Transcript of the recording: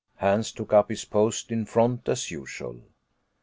Hans took up his post in front as usual.